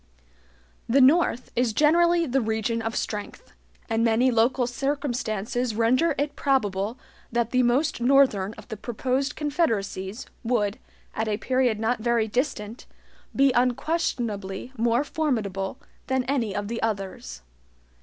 The North is generally the region of strength, and many local circumstances render it probable that the most Northern of the proposed confederacies would, at a period not very distant, be unquestionably more formidable than any of the others.